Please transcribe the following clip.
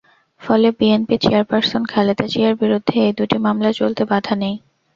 ফলে বিএনপির চেয়ারপারসন খালেদা জিয়ার বিরুদ্ধে এই দুই মামলা চলতে বাধা নেই।